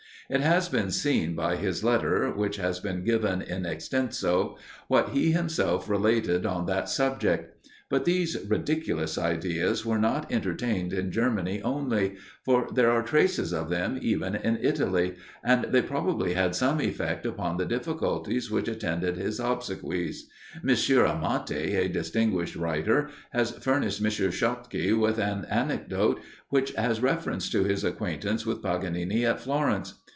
It has been seen by his letter, which has been given in extenso, what he himself related on that subject. But these ridiculous ideas were not entertained in Germany only, for there are traces of them even in Italy, and they probably had some effect upon the difficulties which attended his obsequies. M. Amati, a distinguished writer, has furnished M. Schottky with an anecdote which has reference to his acquaintance with Paganini at Florence.